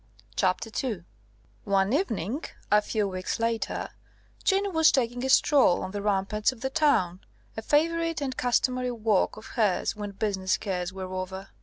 II One evening, a few weeks later, Jeanne was taking a stroll on the ramparts of the town, a favourite and customary walk of hers when business cares were over.